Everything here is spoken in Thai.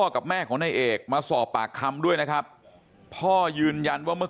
กับแม่ของนายเอกมาสอบปากคำด้วยนะครับพ่อยืนยันว่าเมื่อ